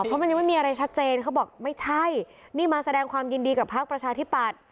เพราะมันยังไม่มีอะไรชัดเจนเขาบอกไม่ใช่นี่มาแสดงความยินดีกับพักประชาธิปัตย์